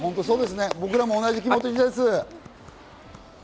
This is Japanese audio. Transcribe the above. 僕らも同じ気持ちです。